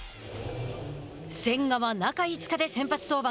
千賀は中５日で先発登板。